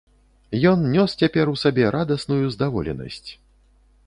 Ён нёс цяпер у сабе радасную здаволенасць.